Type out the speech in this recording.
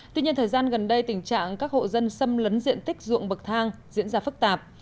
tuy nhiên thời gian gần đây tình trạng các hộ dân xâm lấn diện tích ruộng bậc thang diễn ra phức tạp